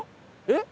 えっ！